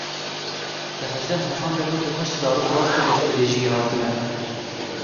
Di hejdeh mehan de nod û heşt zarok rastî destdirêjiyê hatine.